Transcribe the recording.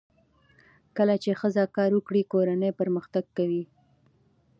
کله چې ښځه کار وکړي، کورنۍ پرمختګ کوي.